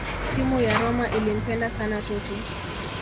Timu ya Roma ilimpenda sana Totti